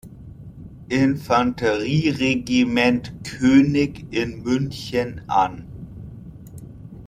Infanterie-Regiment König in München an.